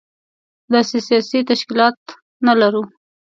داسې سياسي تشکيلات نه لرو.